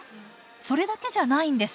それだけじゃないんです。